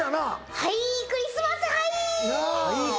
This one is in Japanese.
はいクリスマスはい。